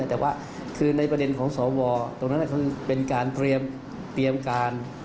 แต่ว่าคือในประเด็นของสวตรงนั้นเป็นการเตรียมการ